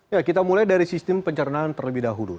ya kita mulai dari sistem pencernaan terlebih dahulu